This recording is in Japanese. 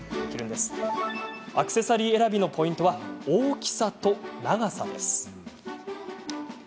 アクセサリー選びのポイントは大きさと長さです。